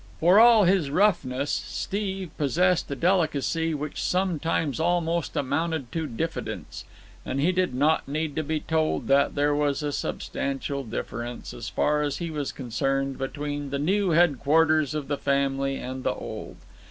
For all his roughness, Steve possessed a delicacy which sometimes almost amounted to diffidence; and he did not need to be told that there was a substantial difference, as far as he was concerned, between the new headquarters of the family and the old.